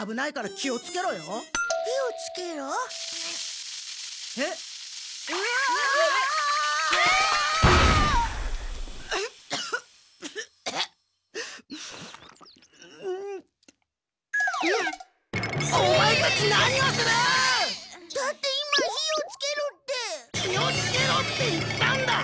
気をつけろって言ったんだ！